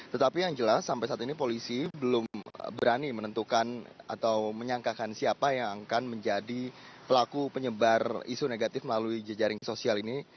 tetapi yang jelas sampai saat ini polisi belum berani menentukan atau menyangkakan siapa yang akan menjadi pelaku penyebar isu negatif melalui jejaring sosial ini